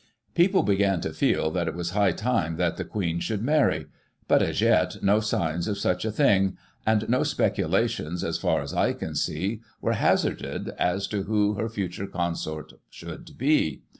People began to feel that it was high time that the Queen should marry — ^but, as yet, no signs of such a thing, and no speculations, as far as I can see, were hazarded as to who her future consort should be.